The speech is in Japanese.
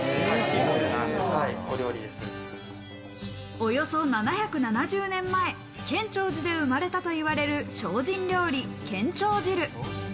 およそ７７０年前、建長寺で生まれたと言われる精進料理・建長汁。